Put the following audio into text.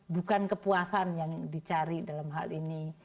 bukan kepuasan yang dicari dalam hal ini